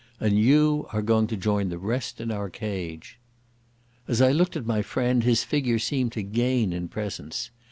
And you are going to join the rest in our cage." As I looked at my friend, his figure seemed to gain in presence.